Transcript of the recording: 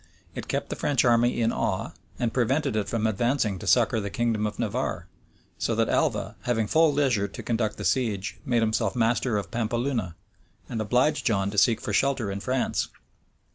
It kept the French army in awe, and prevented it from advancing to succor the kingdom of Navarre; so that Alva, having full leisure to conduct the siege, made himself master of Pampeluna, and obliged John to seek for shelter in France.